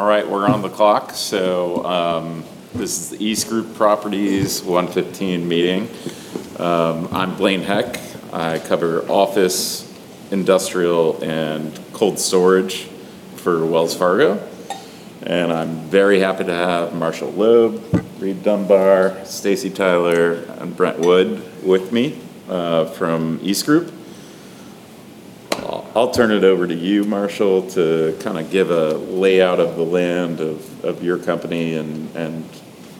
All right, we're on the clock. This is the EastGroup Properties 1x1 meeting. I'm Blaine Heck. I cover office, industrial, and cold storage for Wells Fargo, and I'm very happy to have Marshall Loeb, Reid Dunbar, Staci Tyler, and Brent Wood with me from EastGroup. I'll turn it over to you, Marshall, to give a layout of the land of your company and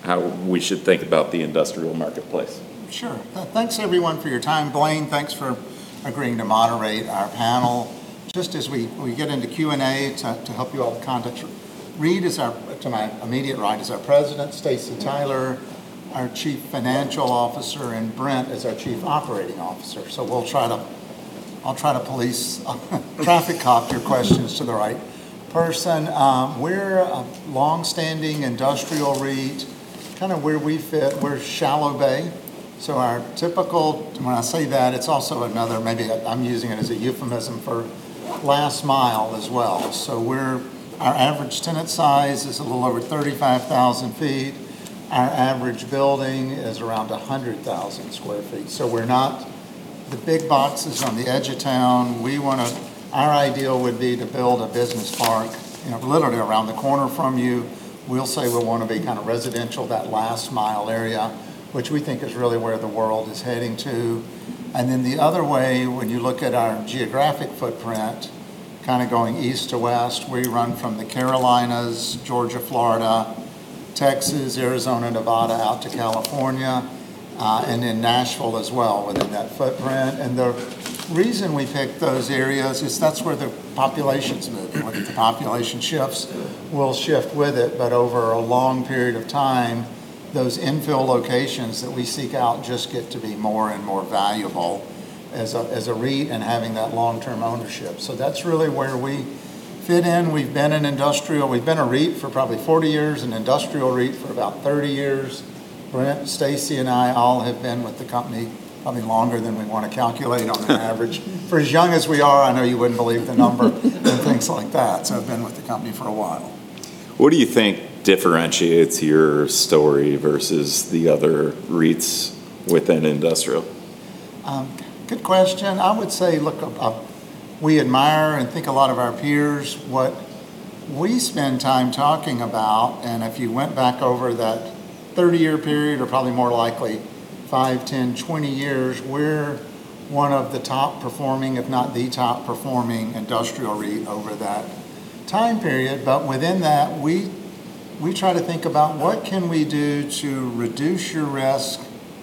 how we should think about the industrial marketplace. Sure. Thanks everyone for your time. Blaine, thanks for agreeing to moderate our panel. Just as we get into Q&A, to help you all, Reid, to my immediate right, is our President, Staci Tyler, our Chief Financial Officer, and Brent is our Chief Operating Officer. I'll try to traffic cop your questions to the right person. We're a longstanding industrial REIT. Kind of where we fit, we're shallow bay. Our typical, when I say that, it's also another, maybe I'm using it as a euphemism for last mile as well. Our average tenant size is a little over 35,000 ft. Our average building is around 100,000 sq ft. We're not the big boxes on the edge of town. Our ideal would be to build a business park literally around the corner from you. We'll say we want to be kind of residential, that last mile area, which we think is really where the world is heading to. The other way, when you look at our geographic footprint, going east to west, we run from the Carolinas, Georgia, Florida, Texas, Arizona, Nevada, out to California, then Nashville as well within that footprint. The reason we pick those areas is that's where the population's moving. When the population shifts, we'll shift with it, but over a long period of time, those infill locations that we seek out just get to be more and more valuable as a REIT and having that long-term ownership. That's really where we fit in. We've been in industrial, we've been a REIT for probably 40 years, an industrial REIT for about 30 years. Brent, Staci, and I all have been with the company probably longer than we want to calculate on average. For as young as we are, I know you wouldn't believe the number and things like that. I've been with the company for a while. What do you think differentiates your story versus the other REITs within industrial? Good question. I would say, look, we admire and think a lot of our peers. What we spend time talking about, if you went back over that 30-year period or probably more likely five, 10, 20 years, we're one of the top performing, if not the top performing industrial REIT over that time period. Within that, we try to think about what can we do to reduce your risk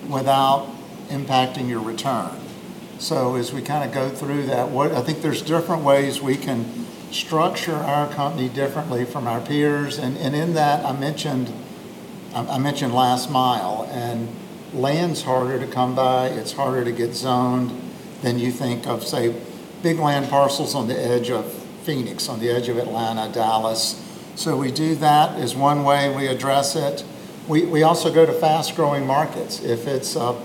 without impacting your return. As we go through that, I think there's different ways we can structure our company differently from our peers, in that, I mentioned last mile, and land's harder to come by. It's harder to get zoned than you think of, say, big land parcels on the edge of Phoenix, on the edge of Atlanta, Dallas. We do that as one way we address it. We also go to fast-growing markets. If it's a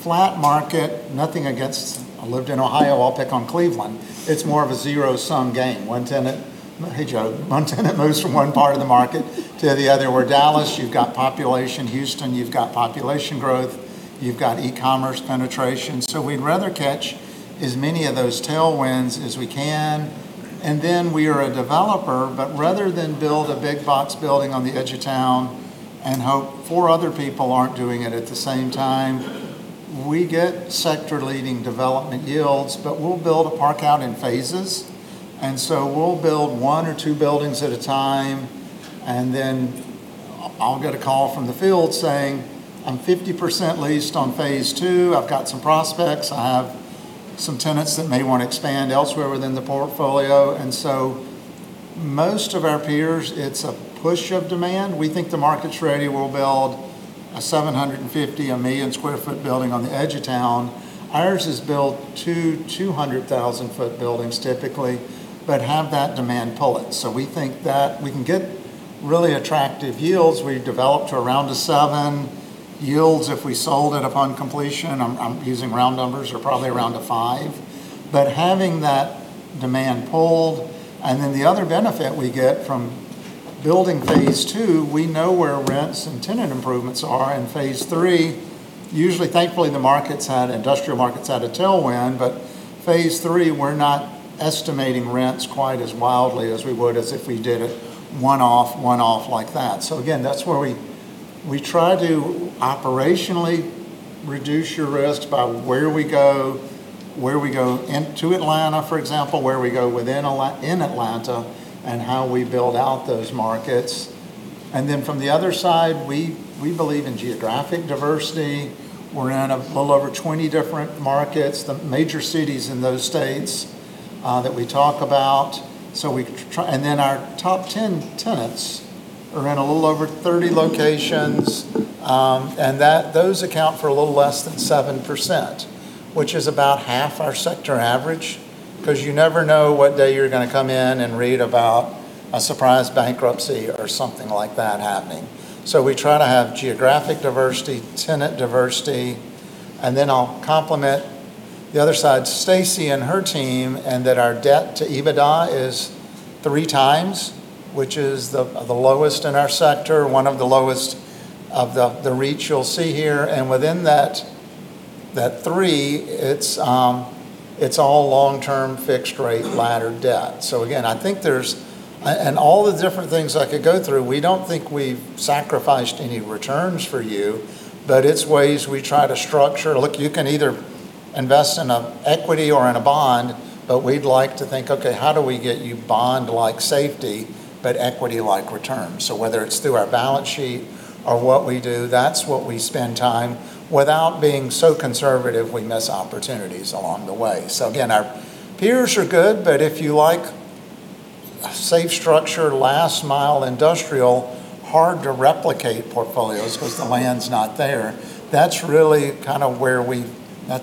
flat market, nothing against, I lived in Ohio, I'll pick on Cleveland. It's more of a zero-sum game. One tenant, hey, Joe, one tenant moves from one part of the market to the other, where Dallas, you've got population. Houston, you've got population growth. You've got e-commerce penetration. We'd rather catch as many of those tailwinds as we can, and then we are a developer, but rather than build a big box building on the edge of town and hope four other people aren't doing it at the same time, we get sector-leading development yields, but we'll build a park out in phases. We'll build one or two buildings at a time, and then I'll get a call from the field saying, "I'm 50% leased on phase II. I've got some prospects. I have some tenants that may want to expand elsewhere within the portfolio. Most of our peers, it's a push of demand. We think the market's ready. We'll build a 750, a million-square-foot building on the edge of town. Ours is built two 200,000 ft buildings typically, but have that demand pull it. We think that we can get really attractive yields. We've developed around a seven yields if we sold it upon completion. I'm using round numbers or probably around a five. Having that demand pulled, and then the other benefit we get from building phase II, we know where rents and tenant improvements are in phase III. Usually, thankfully, the industrial market's had a tailwind, phase III, we're not estimating rents quite as wildly as we would as if we did it one-off, like that. Again, that's where we try to operationally reduce your risk by where we go into Atlanta, for example, where we go in Atlanta, and how we build out those markets. From the other side, we believe in geographic diversity. We're in a little over 20 different markets, the major cities in those states that we talk about. Our top 10 tenants are in a little over 30 locations. Those account for a little less than 7%, which is about half our sector average, because you never know what day you're going to come in and read about a surprise bankruptcy or something like that happening. We try to have geographic diversity, tenant diversity, and then I'll complement. The other side's Staci and her team, and that our debt to EBITDA is 3x, which is the lowest in our sector, one of the lowest of the REITs you'll see here. Within that 3x, it's all long-term fixed rate laddered debt. Again, all the different things I could go through, we don't think we've sacrificed any returns for you, but it's ways we try to structure. Look, you can either invest in an equity or in a bond, but we'd like to think, okay, how do we get you bond-like safety but equity-like returns? Whether it's through our balance sheet or what we do, that's what we spend time. Without being so conservative, we miss opportunities along the way. Again, our peers are good, but if you like a safe structure, last mile industrial, hard to replicate portfolios because the land's not there. That's really my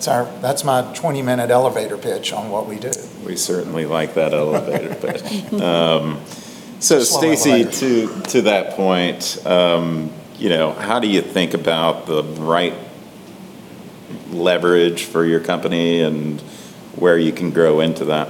20-minute elevator pitch on what we do. We certainly like that elevator pitch. Staci, to that point, how do you think about the right leverage for your company and where you can grow into that?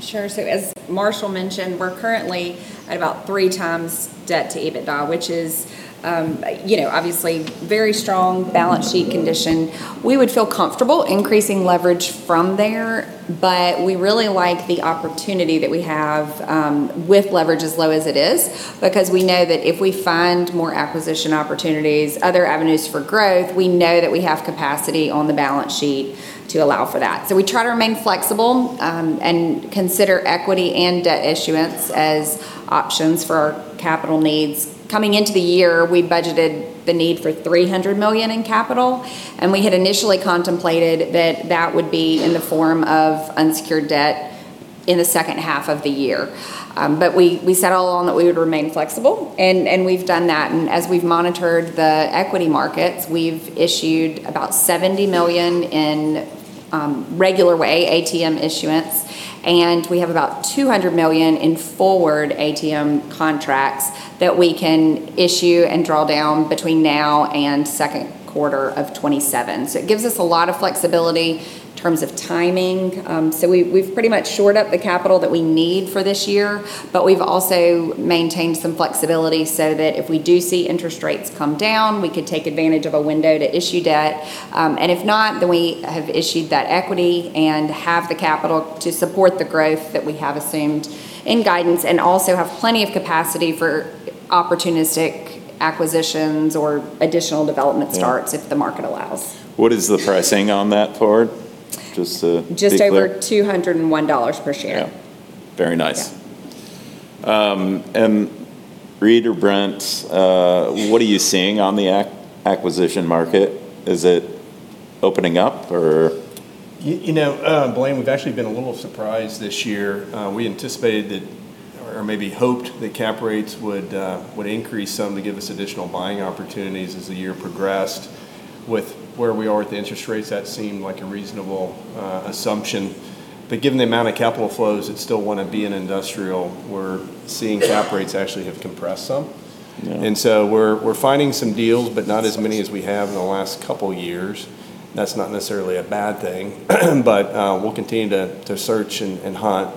Sure. As Marshall mentioned, we're currently at about 3x debt to EBITDA, which is obviously a very strong balance sheet condition. We would feel comfortable increasing leverage from there, but we really like the opportunity that we have with leverage as low as it is, because we know that if we find more acquisition opportunities, other avenues for growth, we know that we have capacity on the balance sheet to allow for that. We try to remain flexible and consider equity and debt issuance as options for our capital needs. Coming into the year, we budgeted the need for $300 million in capital, and we had initially contemplated that that would be in the form of unsecured debt in the second half of the year. We said all along that we would remain flexible, and we've done that. As we've monitored the equity markets, we've issued about $70 million in regular way ATM issuance, and we have about $200 million in forward ATM contracts that we can issue and draw down between now and second quarter of 2027. It gives us a lot of flexibility in terms of timing. We've pretty much shored up the capital that we need for this year, but we've also maintained some flexibility so that if we do see interest rates come down, we could take advantage of a window to issue debt. If not, then we have issued that equity and have the capital to support the growth that we have assumed in guidance and also have plenty of capacity for opportunistic acquisitions or additional development starts if the market allows. What is the pricing on that forward? Just to be clear. Just over $201 per share. Yeah. Very nice. Yeah. Reid or Brent, what are you seeing on the acquisition market? Is it opening up? Blaine, we've actually been a little surprised this year. We anticipated, or maybe hoped that cap rates would increase some to give us additional buying opportunities as the year progressed. With where we are with the interest rates, that seemed like a reasonable assumption. Given the amount of capital flows that still want to be in industrial, we're seeing cap rates actually have compressed some. Yeah. We're finding some deals, but not as many as we have in the last couple of years. That's not necessarily a bad thing, we'll continue to search and hunt.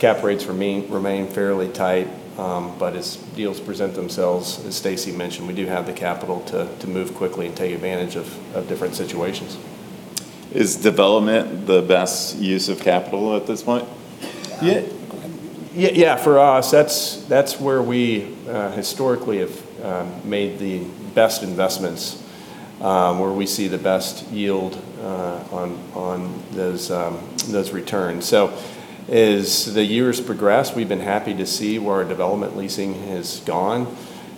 Cap rates remain fairly tight. As deals present themselves, as Staci mentioned, we do have the capital to move quickly and take advantage of different situations. Is development the best use of capital at this point? Yeah. For us, that's where we historically have made the best investments, where we see the best yield on those returns. As the years progress, we've been happy to see where our development leasing has gone.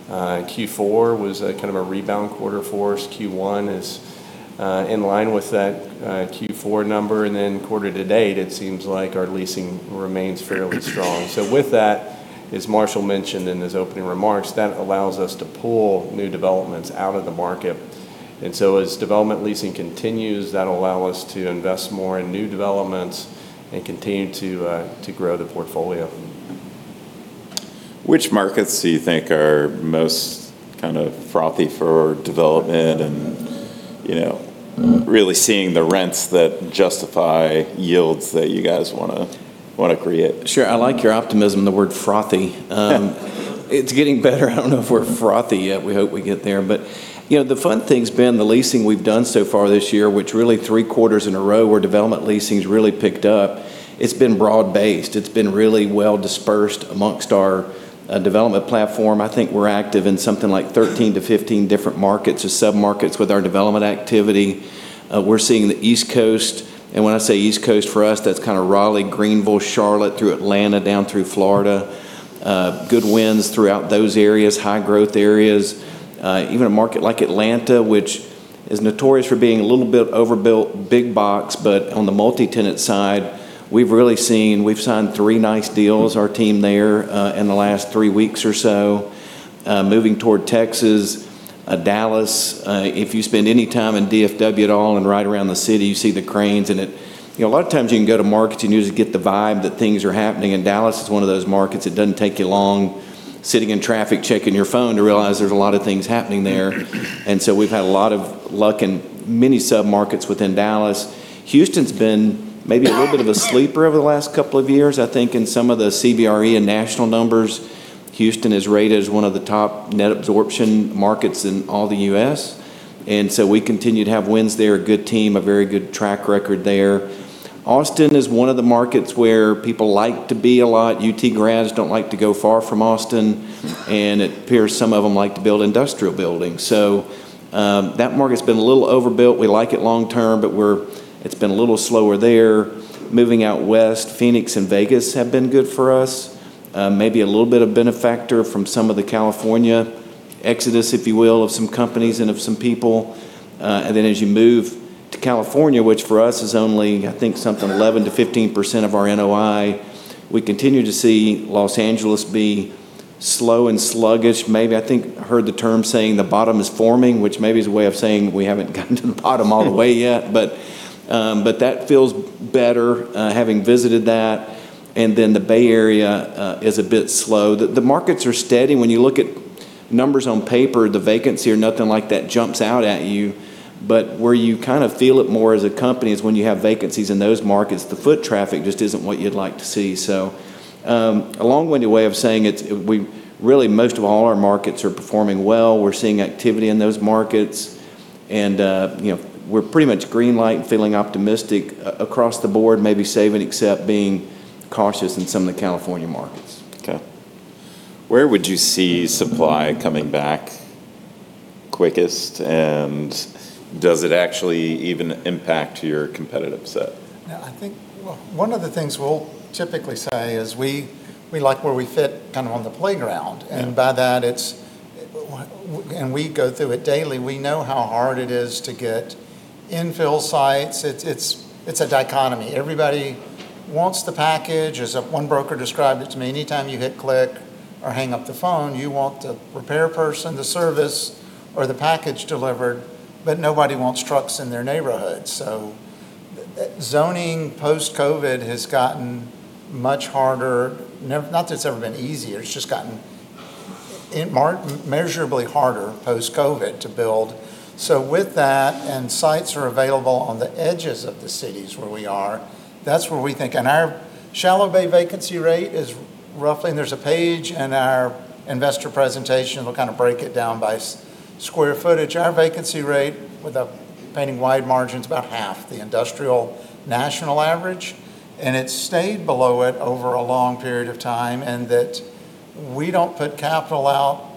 Q4 was a kind of a rebound quarter for us. Q1 is in line with that Q4 number, and then quarter-to-date, it seems like our leasing remains fairly strong. With that, as Marshall mentioned in his opening remarks, that allows us to pull new developments out of the market. As development leasing continues, that'll allow us to invest more in new developments and continue to grow the portfolio. Which markets do you think are most frothy for development, and really seeing the rents that justify yields that you guys want to create? Sure. I like your optimism, the word frothy. It's getting better. I don't know if we're frothy yet. We hope we get there. The fun thing's been the leasing we've done so far this year, which really 3/4 in a row where development leasing's really picked up. It's been broad-based. It's been really well dispersed amongst our development platform. I think we're active in something like 13 to 15 different markets or sub-markets with our development activity. We're seeing the East Coast, and when I say East Coast, for us, that's kind of Raleigh, Greenville, Charlotte, through Atlanta, down through Florida. Good winds throughout those areas, high-growth areas. Even a market like Atlanta, which is notorious for being a little bit overbuilt big box, but on the multi-tenant side, we've signed three nice deals, our team there, in the last three weeks or so. Moving toward Texas. Dallas, if you spend any time in DFW at all and right around the city, you see the cranes. A lot of times you can go to markets and you just get the vibe that things are happening, and Dallas is one of those markets. It doesn't take you long sitting in traffic checking your phone to realize there's a lot of things happening there. We've had a lot of luck in many sub-markets within Dallas. Houston's been maybe a little bit of a sleeper over the last couple of years. I think in some of the CBRE and national numbers, Houston is rated as one of the top net-absorption markets in all the U.S., and so we continue to have wins there, a good team, a very good track record there. Austin is one of the markets where people like to be a lot. UT grads don't like to go far from Austin, and it appears some of them like to build industrial buildings. That market's been a little overbuilt. We like it long term, but it's been a little slower there. Moving out west, Phoenix and Vegas have been good for us. Maybe a little bit of benefactor from some of the California exodus, if you will, of some companies and of some people. As you move to California, which for us is only, I think, something 11%-15% of our NOI, we continue to see Los Angeles be slow and sluggish. Maybe, I think heard the term saying the bottom is forming, which maybe is a way of saying we haven't gotten to the bottom all the way yet. That feels better, having visited that. The Bay Area is a bit slow. The markets are steady. When you look at numbers on paper, the vacancy or nothing like that jumps out at you. Where you feel it more as a company is when you have vacancies in those markets. The foot traffic just isn't what you'd like to see. A long-winded way of saying, really most of all our markets are performing well. We're seeing activity in those markets, and we're pretty much green light and feeling optimistic across the board, maybe save and except being cautious in some of the California markets. Okay. Where would you see supply coming back quickest, and does it actually even impact your competitive set? One of the things we'll typically say is we like where we fit on the playground. Yeah. We go through it daily. We know how hard it is to get infill sites. It's a dichotomy. Everybody wants the package. As one broker described it to me, any time you hit click or hang up the phone, you want the repair person, the service, or the package delivered, but nobody wants trucks in their neighborhood. Zoning post-COVID has gotten much harder. Not that it's ever been easier, it's just gotten measurably harder post-COVID to build. With that, and sites are available on the edges of the cities where we are, that's where we think. Our shallow-bay vacancy rate is roughly, and there's a page in our investor presentation, we'll break it down by square footage. Our vacancy rate, without painting wide margins, about half the industrial national average, and it's stayed below it over a long period of time. That we don't put capital out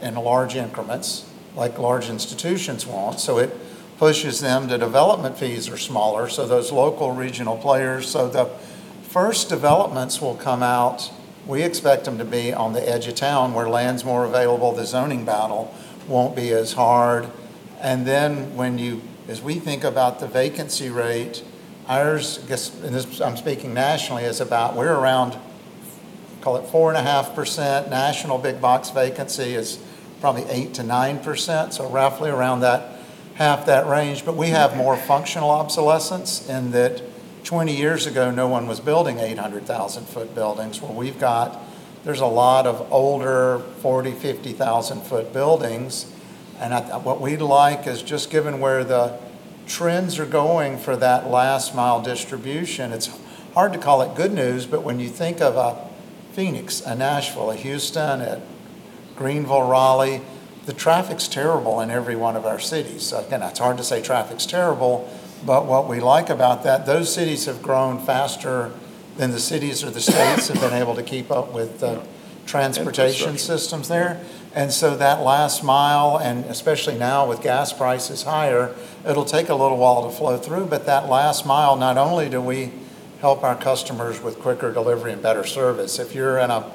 in large increments like large institutions want. It pushes them, the development fees are smaller, so those local regional players. The first developments will come out, we expect them to be on the edge of town where land's more available, the zoning battle won't be as hard. As we think about the vacancy rate, ours, I'm speaking nationally, we're around, call it 4.5%. National big box vacancy is probably 8%-9%, so roughly around half that range. We have more functional obsolescence in that 20 years ago, no one was building 800,000 ft buildings, where we've got, there's a lot of older, 40,000 ft-50,000 ft buildings. What we'd like is just given where the trends are going for that last mile distribution, it's hard to call it good news, but when you think of a Phoenix, a Nashville, a Houston, a Greenville, Raleigh, the traffic's terrible in every one of our cities. Again, it's hard to say traffic's terrible, but what we like about that, those cities have grown faster than the cities or the states have been able to keep up with the transportation systems there. That last mile, and especially now with gas prices higher, it'll take a little while to flow through. That last mile, not only do we help our customers with quicker delivery and better service, if you're in a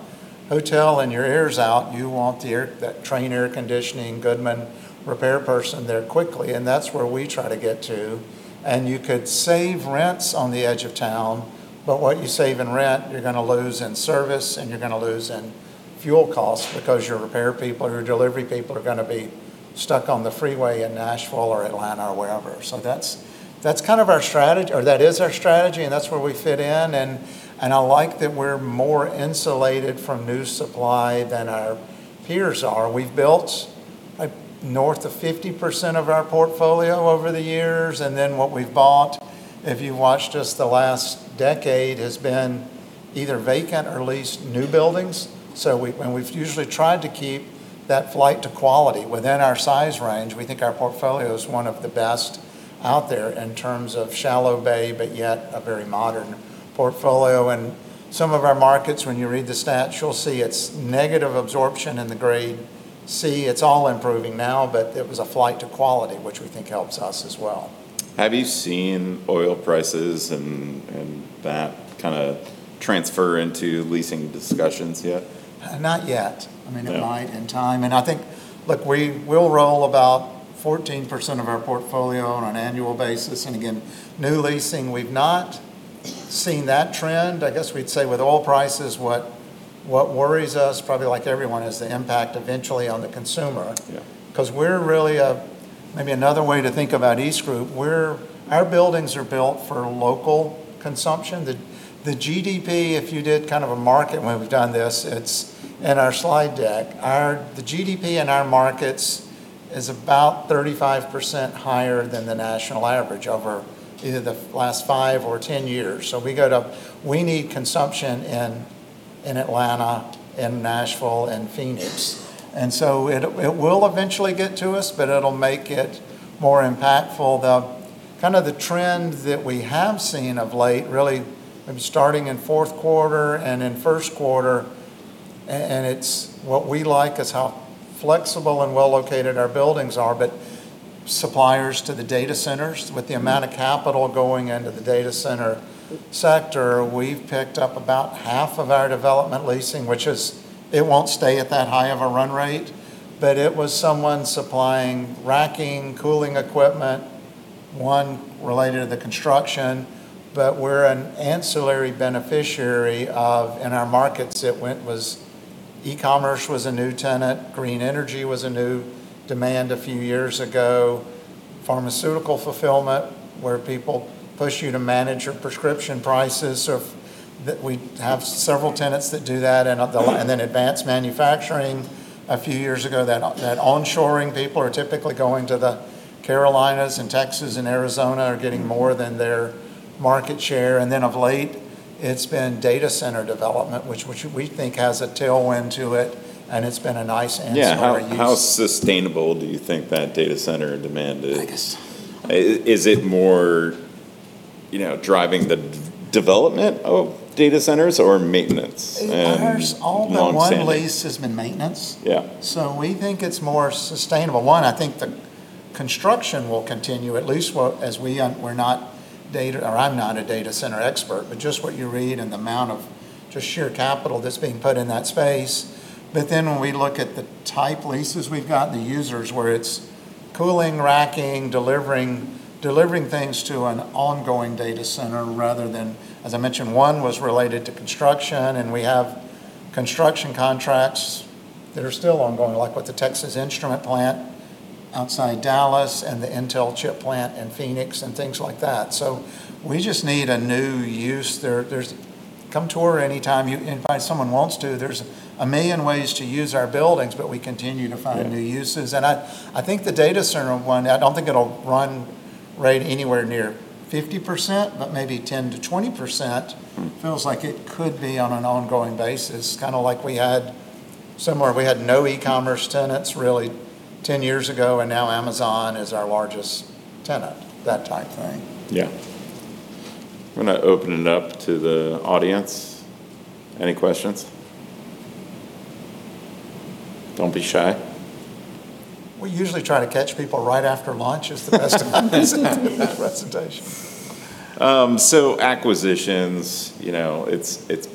hotel and your air's out, you want that Trane air conditioning, Goodman repair person there quickly, and that's where we try to get to. You could save rents on the edge of town, but what you save in rent, you're going to lose in service, and you're going to lose in fuel costs because your repair people or your delivery people are going to be stuck on the freeway in Nashville or Atlanta or wherever. That's our strategy, and that's where we fit in, and I like that we're more insulated from new supply than our peers are. We've built north of 50% of our portfolio over the years, and then what we've bought, if you've watched us the last decade, has been either vacant or leased new buildings. We've usually tried to keep that flight to quality within our size range. We think our portfolio is one of the best out there in terms of shallow bay, but yet a very modern portfolio. Some of our markets, when you read the stats, you'll see it's negative absorption in the grade C. It's all improving now, but it was a flight to quality, which we think helps us as well. Have you seen oil prices and that transfer into leasing discussions yet? Not yet. No. It might in time. I think, look, we'll roll about 14% of our portfolio on an annual basis. Again, new leasing, we've not seen that trend. I guess we'd say with oil prices, what worries us, probably like everyone, is the impact eventually on the consumer. Yeah. We're really maybe another way to think about EastGroup, our buildings are built for local consumption. The GDP, if you did a market, and we've done this, it's in our slide deck. The GDP in our markets is about 35% higher than the national average over either the last five or 10 years. We need consumption in Atlanta, in Nashville, and Phoenix. It will eventually get to us, but it'll make it more impactful. The trend that we have seen of late, really starting in fourth quarter and in first quarter, and what we like is how flexible and well-located our buildings are. Suppliers to the data centers, with the amount of capital going into the data center sector, we've picked up about half of our development leasing. It won't stay at that high of a run rate, it was someone supplying racking, cooling equipment, one related to the construction. We're an ancillary beneficiary of, in our markets, e-commerce was a new tenant. Green energy was a new demand a few years ago. Pharmaceutical fulfillment, where people push you to manage your prescription prices, we have several tenants that do that. Advanced manufacturing a few years ago, that onshoring people are typically going to the Carolinas and Texas and Arizona are getting more than their market share. Of late, it's been data center development, which we think has a tailwind to it, and it's been a nice ancillary use. Yeah. How sustainable do you think that data center demand is? I guess. Is it more driving the development of data centers or maintenance and longstanding? Ours, all but one lease has been maintenance. Yeah. We think it's more sustainable. One, I think the construction will continue, at least as we're not data, or I'm not a data center expert, just what you read and the amount of just sheer capital that's being put in that space. When we look at the type leases we've got, the users where it's cooling, racking, delivering things to an ongoing data center rather than, as I mentioned, one was related to construction, and we have construction contracts that are still ongoing, like with the Texas Instruments plant outside Dallas and the Intel chip plant in Phoenix and things like that. We just need a new use. Come tour anytime if someone wants to. There's a million ways to use our buildings. Yeah We continue to find new uses. I think the data center one, I don't think it'll run rate anywhere near 50%, but maybe 10%-20% feels like it could be on an ongoing basis. Kind of like we had similar. We had no e-commerce tenants really 10 years ago, and now Amazon is our largest tenant, that type thing. Yeah. We're going to open it up to the audience. Any questions? Don't be shy. We usually try to catch people right after lunch is the best time for this presentation. Acquisitions, it's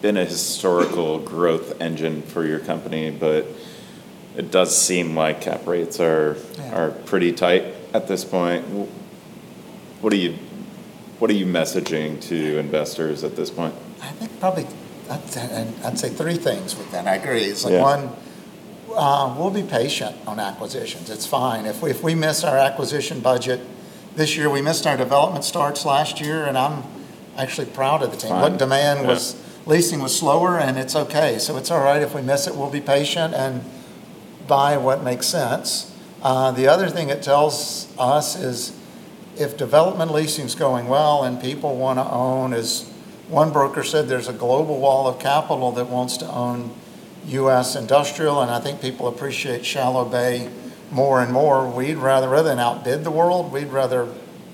been a historical growth engine for your company, but it does seem like cap rates are. Yeah pretty tight at this point. What are you messaging to investors at this point? I think probably, I'd say three things with that. I agree. Yeah. One, we'll be patient on acquisitions. It's fine. If we miss our acquisition budget this year, we missed our development starts last year. I'm actually proud of the team. It's fine, yeah. Leasing was slower, and it's okay. It's all right if we miss it. We'll be patient and buy what makes sense. The other thing it tells us is if development leasing is going well and people want to own, as one broker said, there's a global wall of capital that wants to own U.S. industrial, and I think people appreciate shallow bay more and more. Rather than outbid the world, we'd rather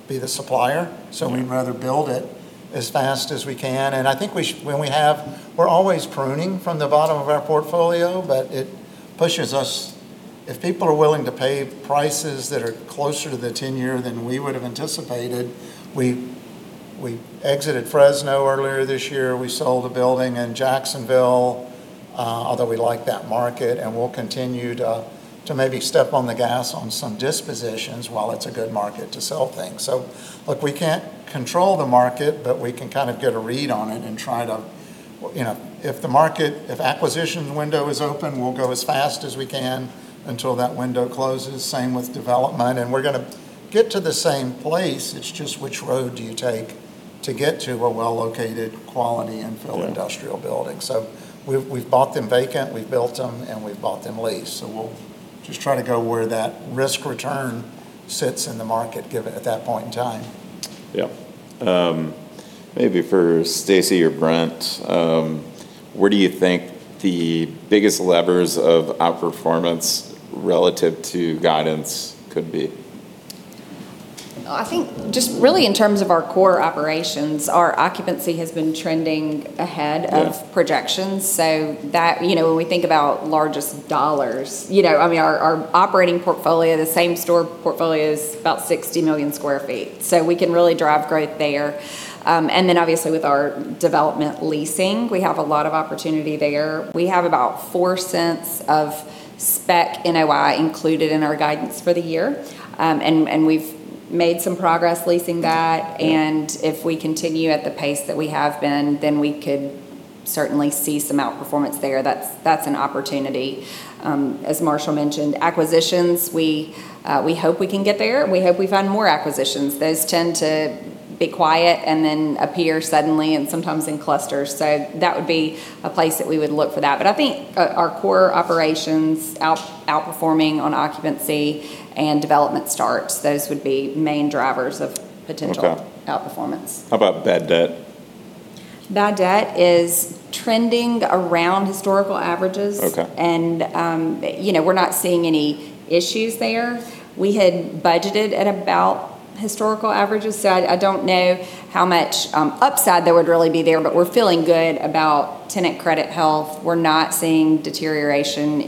be the supplier. We'd rather build it as fast as we can. I think we're always pruning from the bottom of our portfolio, but it pushes us. If people are willing to pay prices that are closer to the 10-year than we would've anticipated, we exited Fresno earlier this year. We sold a building in Jacksonville, although we like that market, and we'll continue to maybe step on the gas on some dispositions while it's a good market to sell things. Look, we can't control the market, but we can kind of get a read on it and try to. If the market, if acquisition window is open, we'll go as fast as we can until that window closes. Same with development. We're going to get to the same place, it's just which road do you take to get to a well-located quality infill, Yeah industrial building. We've bought them vacant, we've built them, and we've bought them leased. We'll just try to go where that risk-return sits in the market, given at that point in time. Yeah. Maybe for Staci or Brent, where do you think the biggest levers of outperformance relative to guidance could be? I think just really in terms of our core operations, our occupancy has been trending ahead of, Yeah projections, when we think about largest dollars, our operating portfolio, the same store portfolio is about 60 million square feet. We can really drive growth there. Obviously with our development leasing, we have a lot of opportunity there. We have about $0.04 of speculative NOI included in our guidance for the year. We've made some progress leasing that. If we continue at the pace that we have been, then we could certainly see some outperformance there. That's an opportunity. As Marshall mentioned, acquisitions, we hope we can get there. We hope we find more acquisitions. Those tend to be quiet and then appear suddenly and sometimes in clusters. That would be a place that we would look for that. I think our core operations outperforming on occupancy and development starts, those would be main drivers. Okay outperformance. How about bad debt? Bad debt is trending around historical averages. Okay. We're not seeing any issues there. We had budgeted at about historical averages, so I don't know how much upside there would really be there, but we're feeling good about tenant credit health. We're not seeing deterioration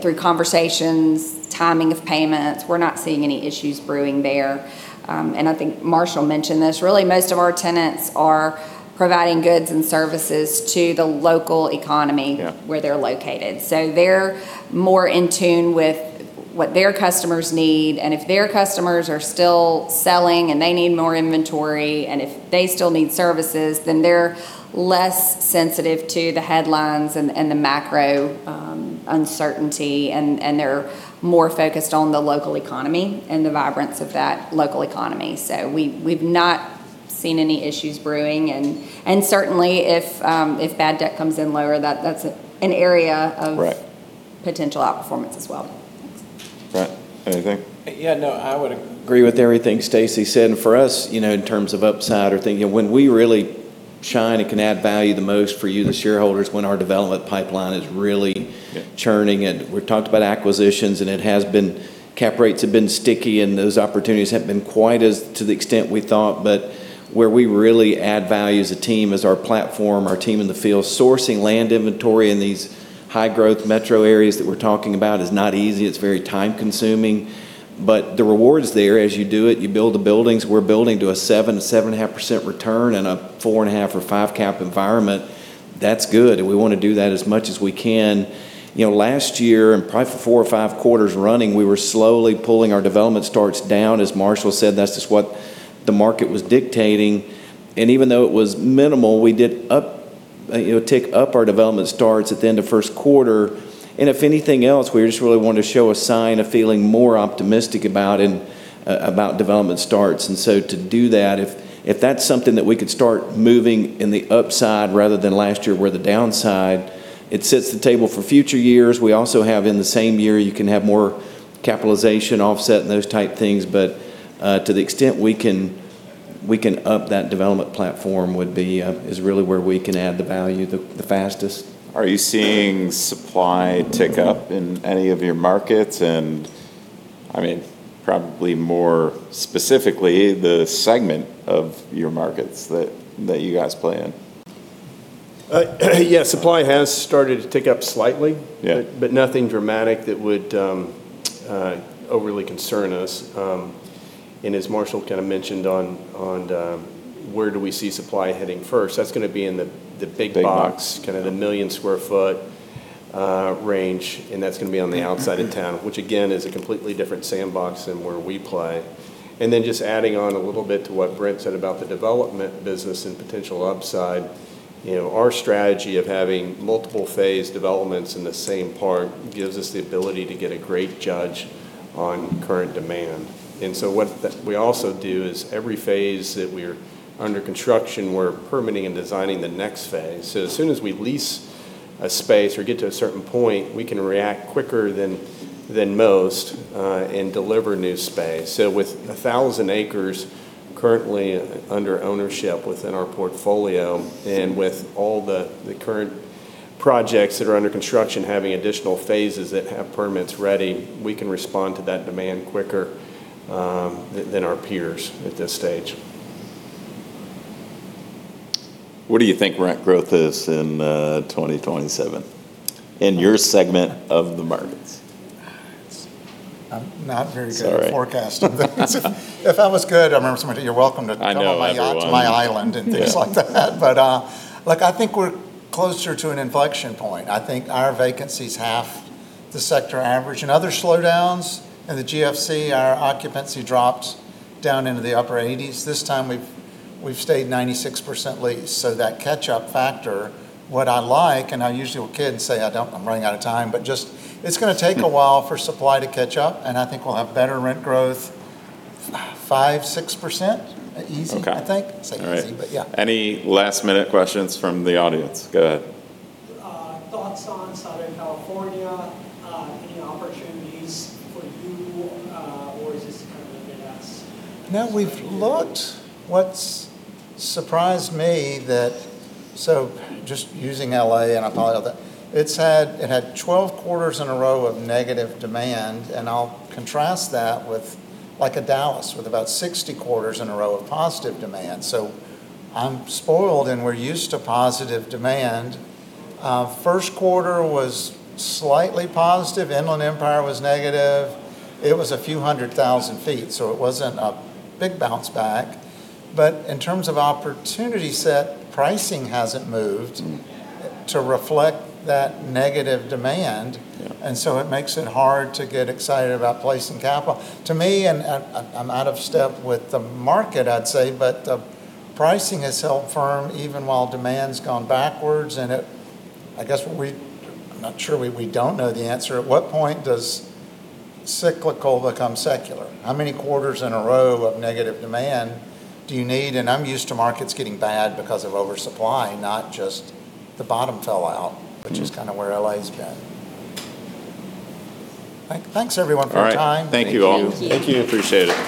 through conversations, timing of payments. We're not seeing any issues brewing there. I think Marshall mentioned this, really, most of our tenants are providing goods and services to the local economy, Yeah where they're located. They're more in tune with what their customers need, and if their customers are still selling and they need more inventory, and if they still need services, then they're less sensitive to the headlines and the macro uncertainty, and they're more focused on the local economy and the vibrance of that local economy. We've not seen any issues brewing, and certainly if bad debt comes in lower, Right that's an area of potential outperformance as well. Brent, anything? Yeah, no, I would agree with everything Staci said, For us, in terms of upside or thinking, when we really shine and can add value the most for you, the shareholders, when our development pipeline is really churning. We've talked about acquisitions, and cap rates have been sticky, and those opportunities haven't been quite as to the extent we thought. Where we really add value as a team is our platform, our team in the field. Sourcing land inventory in these high-growth metro areas that we're talking about is not easy. It's very time-consuming, but the reward is there as you do it. You build the buildings. We're building to a 7%-7.5% return in a 4.5% or 5% cap environment. That's good, we want to do that as much as we can. Last year, and probably for four or five quarters running, we were slowly pulling our development starts down. As Marshall said, that's just what the market was dictating. Even though it was minimal, we did take up our development starts at the end of first quarter. If anything else, we just really wanted to show a sign of feeling more optimistic about development starts. To do that, if that's something that we could start moving in the upside rather than last year, we're the downside. It sets the table for future years. We also have in the same year, you can have more capitalization offset and those type things. To the extent we can up that development platform is really where we can add the value the fastest. Are you seeing supply tick up in any of your markets? Probably more specifically, the segment of your markets that you guys play in? Yeah, supply has started to tick up slightly. Yeah. Nothing dramatic that would overly concern us. As Marshall kind of mentioned on where do we see supply hitting first, that's going to be in the big box- Big one. kind of the 1-million-square-foot range, that's going to be on the outside of town, which again, is a completely different sandbox than where we play. Just adding on a little bit to what Brent said about the development business and potential upside, our strategy of having multiple phase developments in the same part gives us the ability to get a great judge on current demand. What we also do is every phase that we're under construction, we're permitting and designing the next phase. As soon as we lease a space or get to a certain point, we can react quicker than most, and deliver new space. With 1,000 acres currently under ownership within our portfolio, and with all the current projects that are under construction having additional phases that have permits ready, we can respond to that demand quicker than our peers at this stage. What do you think rent growth is in 2027 in your segment of the markets? It's I'm not very good- Sorry at forecasting things. If I was good, I remember somebody, "You're welcome to- I know everyone. come on my yacht to my island," and things like that. I think we're closer to an inflection point. I think our vacancy's half the sector average. In other slowdowns in the GFC, our occupancy dropped down into the upper 80s%. This time we've stayed 96%-leased, that catch-up factor, what I like, and I usually with kids say I don't, I'm running out of time, just, it's going to take a while for supply to catch up, and I think we'll have better rent growth, 5%, 6%. Okay I think. I say easy, but yeah. Any last-minute questions from the audience? Go ahead. Thoughts on Southern California? Any opportunities for you? Is this kind of a bid-ask? No, we've looked. What's surprised me, just using L.A., and I thought of that, it's had 12 quarters in a row of negative demand, and I'll contrast that with a Dallas with about 60 quarters in a row of positive demand. I'm spoiled, and we're used to positive demand. First quarter was slightly positive. Inland Empire was negative. It was a few hundred thousand feet, so it wasn't a big bounce back. In terms of opportunity set, pricing hasn't moved to reflect that negative demand, and so it makes it hard to get excited about placing capital. To me, and I'm out of step with the market, I'd say, but the pricing has held firm even while demand's gone backwards, and I guess, I'm not sure, we don't know the answer. At what point does cyclical become secular? How many quarters in a row of negative demand do you need? I'm used to markets getting bad because of oversupply, not just the bottom fell out, which is kind of where L.A.'s been. Thanks, everyone, for your time. All right. Thank you all. Thank you. Appreciate it.